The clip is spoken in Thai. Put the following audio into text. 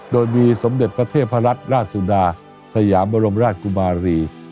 โดยมีสมเด็จพระเทพรัตนราชสุดาสยามบรมราชกุมารี